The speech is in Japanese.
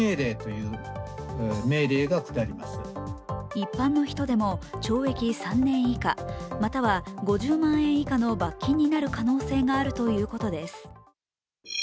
一般の人でも懲役３年以下、または５０万円以下の罰金になる可能性があるということです。